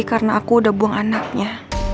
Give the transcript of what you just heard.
karena aku udah buang anaknya